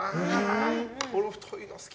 俺も太いの好き。